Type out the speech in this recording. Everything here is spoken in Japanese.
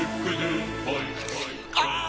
ああ！